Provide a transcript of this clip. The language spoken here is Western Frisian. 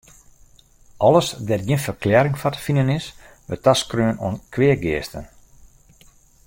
Alles dêr't gjin ferklearring foar te finen is, wurdt taskreaun oan kweageasten.